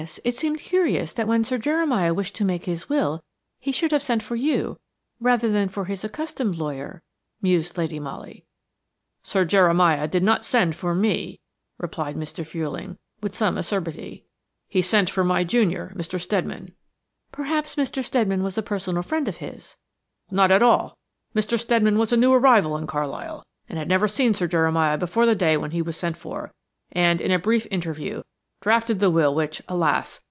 It seemed curious that when Sir Jeremiah wished to make his will he should have sent for you, rather than for his accustomed lawyer," mused Lady Molly. "Sir Jeremiah did not send for me," replied Mr. Fuelling, with some acerbity, "he sent for my junior, Mr. Steadman." "Perhaps Mr. Steadman was a personal friend of his." "Not at all. Not at all. Mr. Steadman was a new arrival in Carlisle, and had never seen Sir Jeremiah before the day when he was sent for and, in a brief interview, drafted the will which, alas!